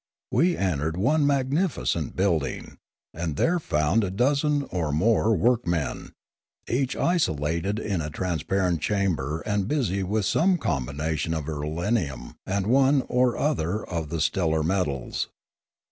We entered one magnificent building, and there found a dozen or more workmen, each isolated in a transparent chamber and busy with some combination of irelium and one or other of the stellar metals.